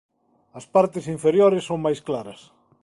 As partes inferiores son máis claras.